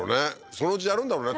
そのうちやるんだろうね